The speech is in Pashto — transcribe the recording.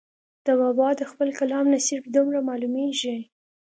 د بابا د خپل کلام نه صرف دومره معلوميږي